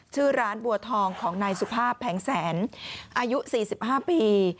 ชื่อร้านบัวทองของนายสุภาพแผงแสนอายุ๔๕ปี